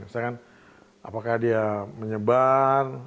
misalkan apakah dia menyebar